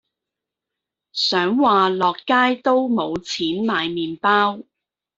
想話落街都冇錢買麵包